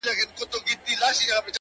زموږه دوو زړونه دي تل د محبت مخته وي،